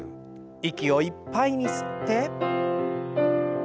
息をいっぱいに吸って。